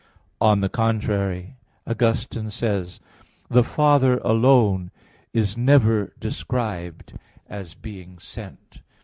On the contrary, Augustine says (De Trin. ii, 3), "The Father alone is never described as being sent."